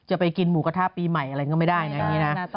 อะไรก็ไม่ได้นะฮะ